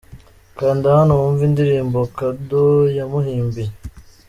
Kanda hano wumve indirimbo' Kado' yamuhimbiye.